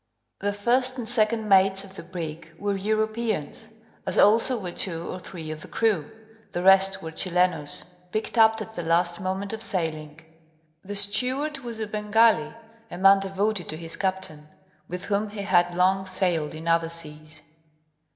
The first and second mates of the brig were Europeans, as also were two or three of the crew the rest were Chilenos, picked up at the last moment of sailing. The steward was a Bengali, a man devoted to his captain, with whom he had long sailed in other seas.